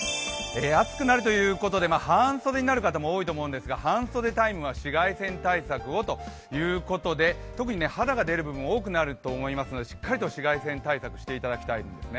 暑くなるということで、半袖になる方も多いと思うんですが、半袖タイムは紫外線対策をということで特に肌が出る部分多くなると覆いますので、しっかりと紫外線対策していただきたいと思います。